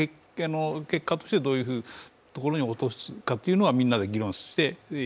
結果としてどういう所に落とすかというのはみんなで議論して。